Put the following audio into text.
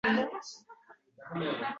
Orqasidan Odilbek ham chikdi: